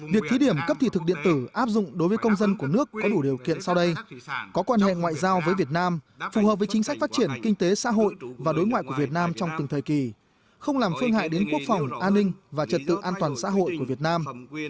việc thí điểm cấp thị thực điện tử áp dụng đối với công dân của nước có đủ điều kiện sau đây có quan hệ ngoại giao với việt nam phù hợp với chính sách phát triển kinh tế xã hội và đối ngoại của việt nam trong từng thời kỳ không làm phương hại đến quốc phòng an ninh và trật tự an toàn xã hội của việt nam